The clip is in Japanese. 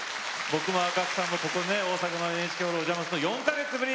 僕も赤木さんもここね大阪のＮＨＫホールお邪魔するのは４か月ぶり。